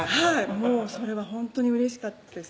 もうそれはほんとにうれしかったです